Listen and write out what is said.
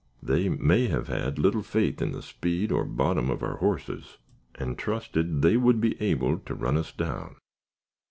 They may have had little faith in the speed or bottom of our horses, and trusted they would be able to run us down.